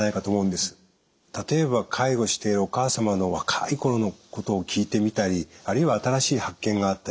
例えば介護しているお母様の若い頃のことを聞いてみたりあるいは新しい発見があったり。